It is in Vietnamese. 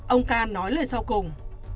ông k nói lời sau cùng